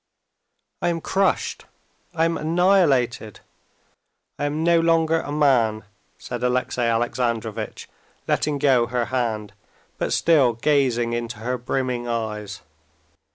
"I am crushed, I am annihilated, I am no longer a man!" said Alexey Alexandrovitch, letting go her hand, but still gazing into her brimming eyes.